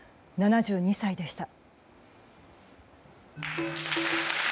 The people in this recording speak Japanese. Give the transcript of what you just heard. ７２歳でした。